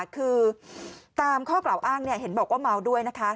คือตามข้อกล่าวอ้างเห็นบอกว่าเมาด้วยนะคะ